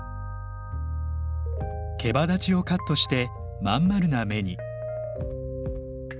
けばだちをカットして真ん丸な目に。